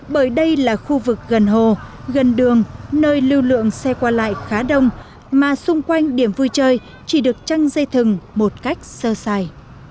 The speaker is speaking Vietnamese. bởi đây là khu vực gần hồ gần đường nơi lưu lượng xe qua lại khá đông mà xung quanh điểm vui chơi chỉ được trăng dây thừng một cách sơ sài